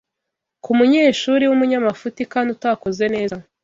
ku munyeshuri w’umunyamafuti kandi utakoze neza